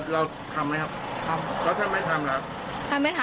แล้วถ้าไม่ทำ